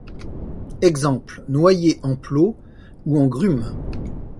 Exemple: Noyer en plots ou en Grumes.